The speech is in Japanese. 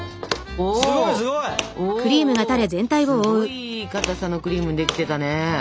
おおすごいいいかたさのクリームできてたね。